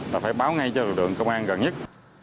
là phải báo ngay cho lực lượng công an gần nhất